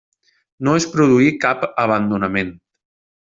No es produí cap abandonament.